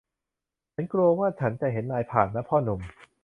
ฉันกลัวว่าฉันจะเห็นนายผ่านนะ พ่อหนุ่ม